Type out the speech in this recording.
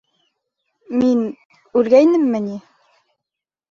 Мин... үлгәйнемме ни?